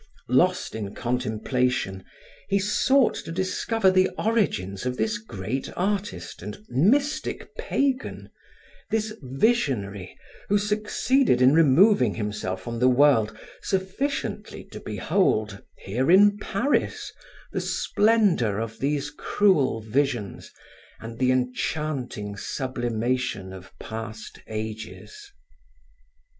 Lost in contemplation, he sought to discover the origins of this great artist and mystic pagan, this visionary who succeeded in removing himself from the world sufficiently to behold, here in Paris, the splendor of these cruel visions and the enchanting sublimation of past ages.